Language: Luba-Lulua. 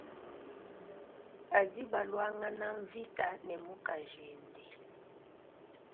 Badi baluangana mvita ne mukajende.